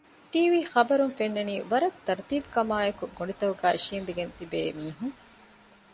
ޓީވީ ޚަބަރުން ފެންނަނީ ވަރަށް ތަރުތީބުކަމާއެކު ގޮޑިތަކުގައި އިށީނދެގެން ތިބޭ މީހުން